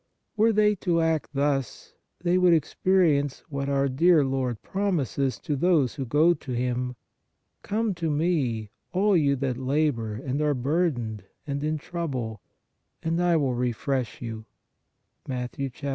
Were they to act thus, they would ex perience what our dear Lord promises to those who go to Him :" Come to Me, all you that labor and are burdened (and in trouble) and I will refresh you " (Mat.